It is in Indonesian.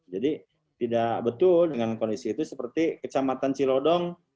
jadi tidak betul dengan kondisi itu seperti kecamatan cilodong